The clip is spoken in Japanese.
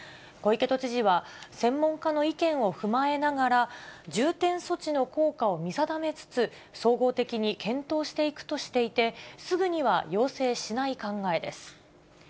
小池都知事は、専門家の意見を踏まえながら、重点措置の効果を見定めつつ、総合的に検討していくとしていて、すぐには要請しない考えです。